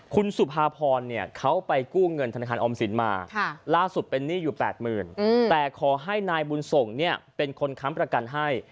คุณสุภาพรเขาไปกู้เงินธนาคารออมสินมาล่าสุดเป็นหนี้อยู่๘๐๐๐แต่ขอให้นายบุญส่งเนี่ยเป็นคนค้ำประกันให้